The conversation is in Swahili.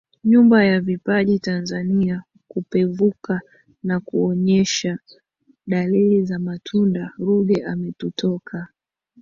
nyumba ya vipaji Tanzania kupevuka na kuonyesha dalili za matunda Ruge ametutoka